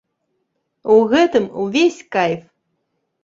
У гэтым увесь кайф!